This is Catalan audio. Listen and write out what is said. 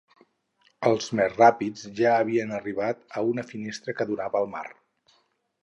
Els més ràpids ja havien arribat a una finestra que donava al mar.